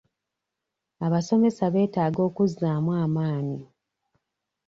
Abasomesa beetaaga okuzzaamu amaanyi.